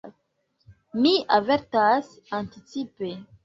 Mi avertas anticipe.